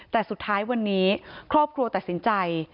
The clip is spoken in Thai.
แต่สุดท้ายวันนี้ครอบครัวตัดสินใจ